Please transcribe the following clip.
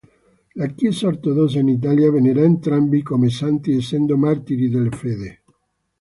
La Chiesa ortodossa in Italia venera entrambi come santi, essendo martiri della fede.